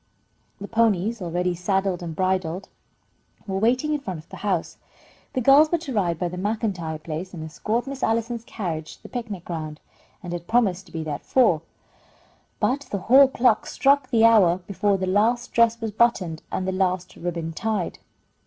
The ponies, already saddled and bridled, were waiting in front of the house. The girls were to ride by the MacIntyre place and escort Miss Allison's carriage to the picnic ground, and had promised to be there at four, but the hall clock struck the hour before the last dress was buttoned and the last ribbon tied.